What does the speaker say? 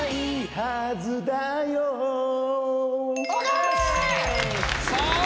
ＯＫ！